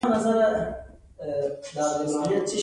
هغه غوښتل یو نوی غږیز سیسټم رامنځته شي